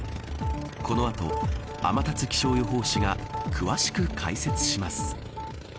この後、天達気象予報士が詳しく解説します。